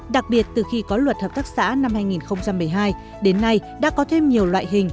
đặc biệt từ khi có luật hợp tác xã năm hai nghìn một mươi hai đến nay đã có thêm nhiều loại hình